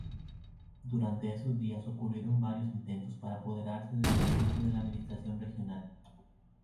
Durante esos días, ocurrieron varios intentos para apoderarse del edificio de la administración regional.